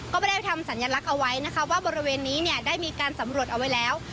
ก็ไม่ได้ทำสัญลักษณ์เอาไว้นะคะว่าบริเวณนี้เนี่ยได้มีการสำรวจเอาไว้แล้ว